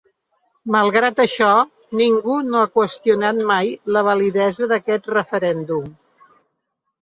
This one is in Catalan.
Malgrat això, ningú no ha qüestionat mai la validesa d’aquest referèndum.